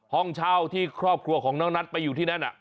ห้องเช่าที่ครอบครัวของน้องนัทไปอยู่ที่นั่น